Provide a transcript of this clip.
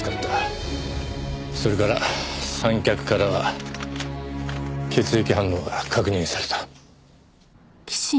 それから三脚からは血液反応が確認された。